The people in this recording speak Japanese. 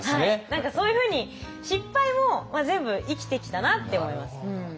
何かそういうふうに失敗も全部生きてきたなって思います。